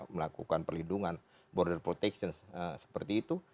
melakukan perlindungan border protection seperti itu